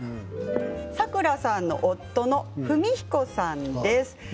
さくらさんの夫の史彦さんです。